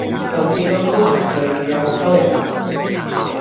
就見到操場上面有好多人呀